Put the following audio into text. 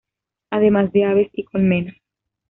Además de aves y colmenas.